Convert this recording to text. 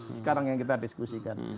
sekarang yang kita diskusikan